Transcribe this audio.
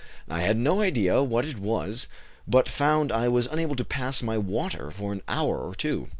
I had no idea what it was, but found I was unable to pass my water for an hour or two.